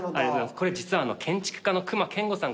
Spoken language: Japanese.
これ実は建築家の隈研吾さんから。